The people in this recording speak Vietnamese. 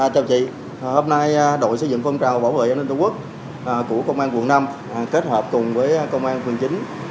chào chị hôm nay đội xây dựng phong trào bảo vệ an ninh tổ quốc của công an quận năm kết hợp cùng với công an phường chín